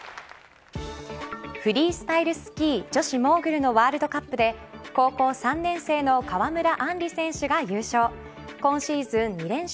フリースタイルスキー女子モーグルのワールドカップで高校３年生の川村あんり選手が優勝。